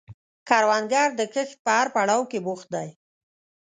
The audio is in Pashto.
کروندګر د کښت په هر پړاو کې بوخت دی